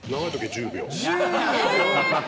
１０秒？